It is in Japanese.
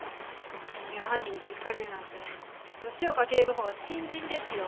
潜入を犯人に気付かれるなんて吉岡警部補は新人ですよ。